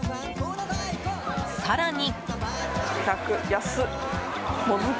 更に。